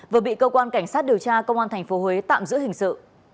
vừa bị cơ quan cảnh sát điều tra công an tp huế tạm giữ hình sự